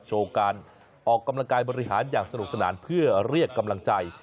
โชว์การออกกำลังกายบริหารอย่างสนุกสนานเพื่อเรียกกำลังใจ